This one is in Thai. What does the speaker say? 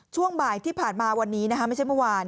ช่วงบ่ายที่ผ่านมาวันนี้นะคะไม่ใช่เมื่อวาน